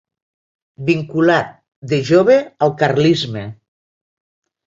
Vinculat de jove al carlisme.